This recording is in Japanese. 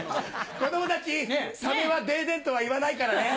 子供たちサメはデデンとは言わないからね。